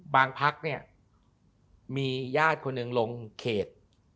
พักเนี่ยมีญาติคนหนึ่งลงเขต